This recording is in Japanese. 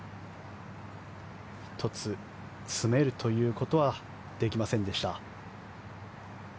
１つ、詰めるということはできませんでした。